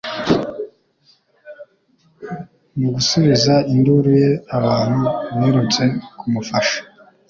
Mu gusubiza induru ye, abantu birutse kumufasha.